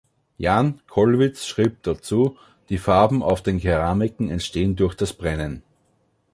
Jan Kollwitz schreibt dazu: „Die Farben auf den Keramiken entstehen durch das Brennen.